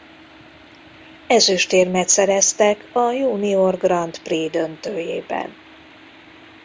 Ezüstérmet szereztek a Junior Grand Prix döntőjében.